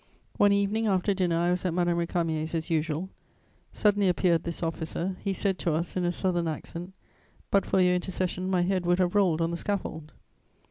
One evening, after dinner, I was at Madame Récamier's as usual; suddenly appeared this officer. He said to us, in a southern accent: "But for your intercession, my head would have rolled on the scaffold."